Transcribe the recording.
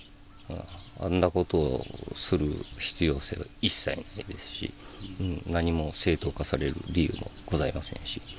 あんなことをする必要性が一切ないですし、何も正当化される理由もございませんし。